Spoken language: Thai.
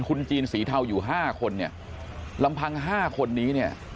คุณจีนสีเทาอยู่๕คนเนี่ยลำพัง๕คนนี้เนี่ย